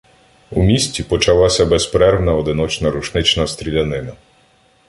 У місті почалася безперервна одиночна рушнична стрілянина.